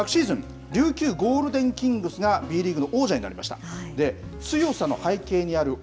昨シーズン、琉球ゴールデンキングスがＢリーグの王者になりました。